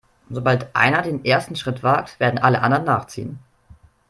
Sobald einer den ersten Schritt wagt, werden alle anderen nachziehen.